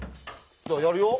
じゃあやるよ。